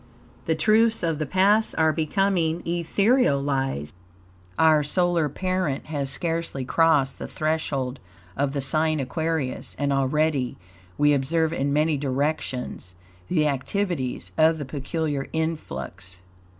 The truths of the past are becoming etherealized. Our solar parent has scarcely crossed the threshold of the sign Aquarius, and already we observe in many directions the activities of the peculiar influx.